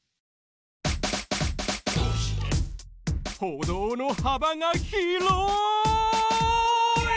歩道の幅が広い！